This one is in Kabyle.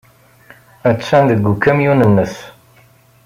Attan deg ukamyun-nnes.